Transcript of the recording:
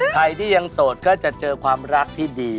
ใครที่ยังโสดก็จะเจอความรักที่ดี